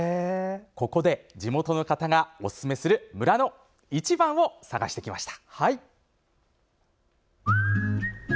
ここで地元の方がおすすめする村のイチバンを探してきました。